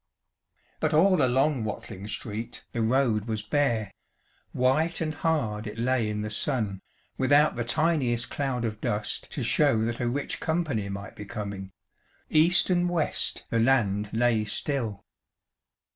But all along Watling Street the road was bare; white and hard it lay in the sun, without the tiniest cloud of dust to show that a rich company might be coming: east and west the land lay still.